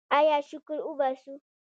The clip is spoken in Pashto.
آیا شکر وباسو؟